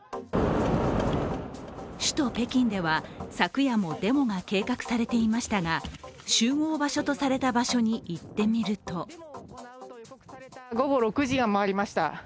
首都・北京では昨夜もデモが計画されていましたが集合場所とされた場所に行ってみると午後６時を回りました。